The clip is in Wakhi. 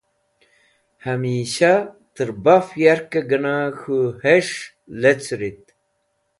Hamisha ter baf yarke genah K̃hu Hes̃h lecrit